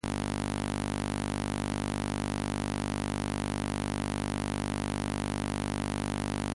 Por el mismo motivo, la intervención del moderador a menudo es mínima.